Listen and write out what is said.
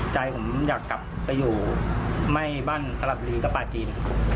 ใจผมอยากกลับไปอยู่ไหม้บ้านสลับลิงกับปลาจีน